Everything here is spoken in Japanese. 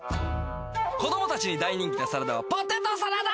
子供たちに大人気なサラダはポテトサラダ！